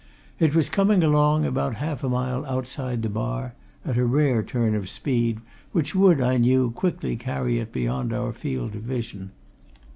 It was coming along, about half a mile outside the bar, at a rare turn of speed which would, I knew, quickly carry it beyond our field of vision.